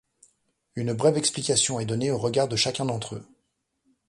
Une brève explication est donnée au regard de chacun d'entre eux.